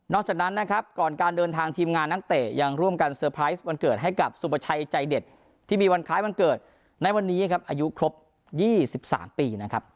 จากนั้นนะครับก่อนการเดินทางทีมงานนักเตะยังร่วมกันเตอร์ไพรส์วันเกิดให้กับสุประชัยใจเด็ดที่มีวันคล้ายวันเกิดในวันนี้ครับอายุครบ๒๓ปีนะครับ